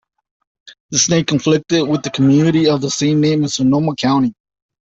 This name conflicted with the community of the same name in Sonoma County.